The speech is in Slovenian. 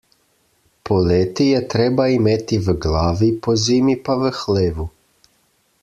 Poleti je treba imeti v glavi, pozimi pa v hlevu.